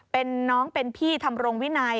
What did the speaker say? เป็นน้องเป็นพี่ทำรงวินัย